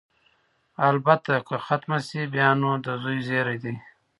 البته که ختمه شي، بیا نو د زوی زېری دی.